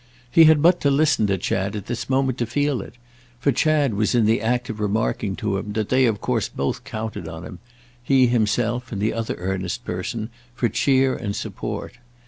He had but to listen to Chad at this moment to feel it; for Chad was in the act of remarking to him that they of course both counted on him—he himself and the other earnest person—for cheer and support.